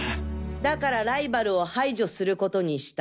だからライバルを排除することにした。